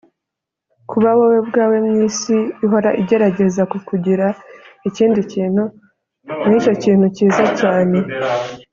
kuba wowe ubwawe mu isi ihora igerageza kukugira ikindi kintu nicyo kintu cyiza cyane